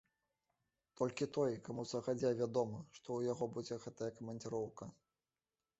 Толькі той, каму загадзя вядома, што ў яго будзе гэтая камандзіроўка.